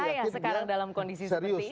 bahaya sekarang dalam kondisi seperti ini